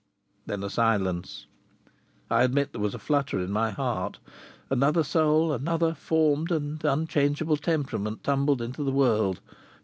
Then a silence. I admit there was a flutter in my heart. Another soul, another formed and unchangeable temperament, tumbled into the world!